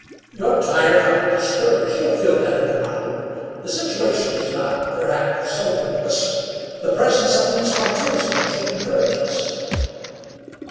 "You're tired out and discouraged. You'll feel better to morrow. The situation is not, perhaps, so hopeless. The presence of these frontiersmen should encourage us."